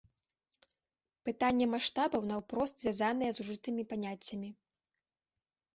Пытанне маштабаў наўпрост звязанае з ужытымі паняццямі.